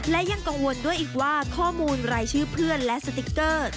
และยังกังวลด้วยอีกว่าข้อมูลรายชื่อเพื่อนและสติ๊กเกอร์